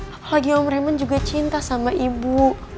apalagi om reman juga cinta sama ibu